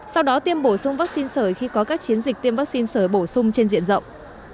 sau đó tiêm bổ sung vaccine sởi khi có các chiến dịch tiêm vaccine sởi bổ sung trên diện rộng